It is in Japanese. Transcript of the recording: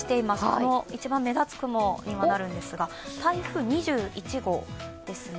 この一番目立つ雲になるんですが台風２１号ですね。